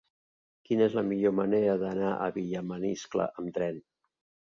Quina és la millor manera d'anar a Vilamaniscle amb tren?